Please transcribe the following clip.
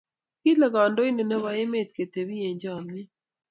Kile kandoindet nebo emet ketebi eng chamyet